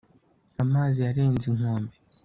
amazi yarenze inkombe